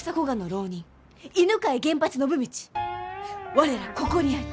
我らここにあり。